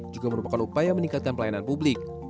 juga merupakan upaya meningkatkan pelayanan publik